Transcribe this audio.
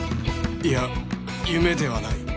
いや夢ではない